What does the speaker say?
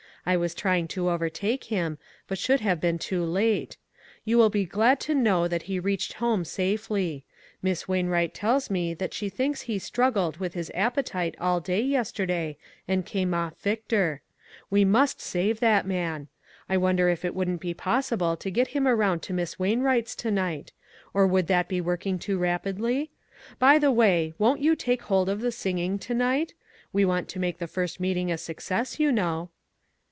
I was trying to overtake him, but should have been too late. You will be glad to know that he reached home safely. Miss Wain wright tells me that she thinks he struggled with his appetite all day yesterday and came off victor. We ENGAGEMENTS. must save that man. I wonder if it wouldn't be possible to get him around to Miss Wain wright's to night ? Or would that be working too rapidly ? By the wa} , won't you take hold of the singing to night? We want to make the first meeting a success, you know?"